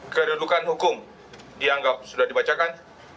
kedudukan hukum dianggap sudah dibacakan